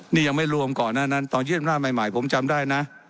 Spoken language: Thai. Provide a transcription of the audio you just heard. นี่ยังไม่รวมก่อนหน้านั้นตอนเยี่ยมหน้าใหม่ผมจำได้นะ